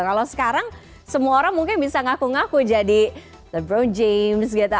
kalau sekarang semua orang mungkin bisa ngaku ngaku jadi the brow james gitu